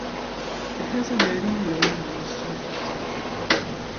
It has a very low moisture absorption.